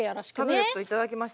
タブレット頂きました。